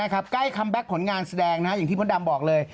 ใกล้คำแบ็คผลงานแสดงนะครับอย่างที่พ่อดำบอกเลย